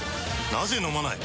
なぜ飲まない？